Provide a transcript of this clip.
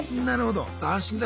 なるほど。